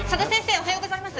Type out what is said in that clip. おはようございます